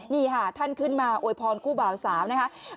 นี่ค่ะท่านขึ้นมาอวยพรคู่บ่าวสาวนะครับ